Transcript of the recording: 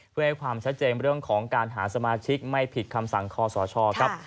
เพื่อให้ความชัดเจนเรื่องของการหาสมาชิกไม่ผิดคำสั่งคอสชครับ